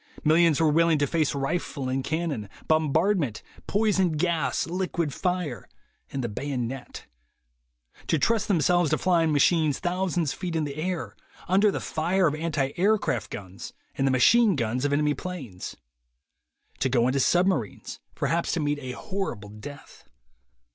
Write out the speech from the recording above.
Millions were willing to face rifle and cannon, bombardment, poison gas, liquid fire, and the bayonet; to trust themselves to flying machines thousands of feet in air, under the fire of anti aircraft guns and the machine guns of enemy planes; to go into sub marines, perhaps to meet a horrible death.